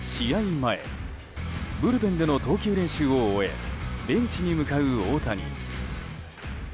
前ブルペンでの投球練習を終えベンチに向かう大谷。